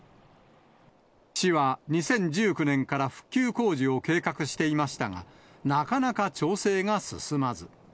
市は２０１９年から復旧工事を計画していましたが、なかなか調整が進まず。